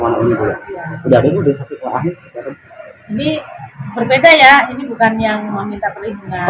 ya kalau dia mempunyai informasi penting untuk membuka jatah ini ya why not kita berikan keinginan seperti itu